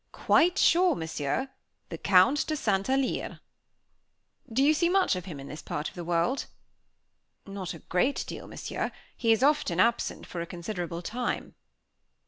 "Quite sure, Monsieur, the Count de St. Alyre." "Do you see much of him in this part of the world?" "Not a great deal, Monsieur; he is often absent for a considerable time."